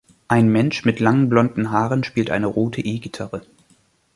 Ein Mensch mit langen blonden Haaren spielt eine rote E-Gitarre.